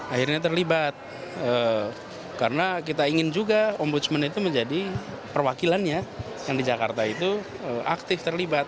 akhirnya terlibat karena kita ingin juga ombudsman itu menjadi perwakilannya yang di jakarta itu aktif terlibat